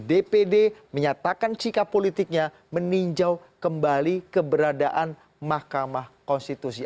dpd menyatakan sikap politiknya meninjau kembali keberadaan mahkamah konstitusi